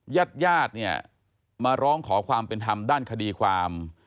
ญาติมาร้องขอความเป็นธรรมด้านคดีความ